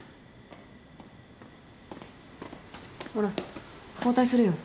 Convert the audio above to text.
ほら交代するよ。